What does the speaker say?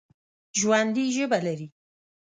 ژوندي ژبه لري